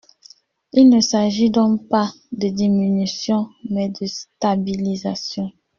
Il ne s’agit donc pas de diminution mais de stabilisation.